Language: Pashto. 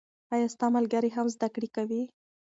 آیا ستا ملګري هم زده کړې کوي؟